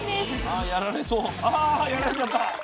あやられちゃった。